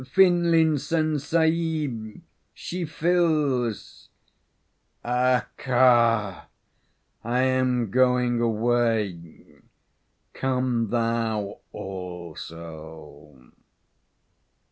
Finlinson Sahib, she fills." "Accha! I am going away. Come thou also."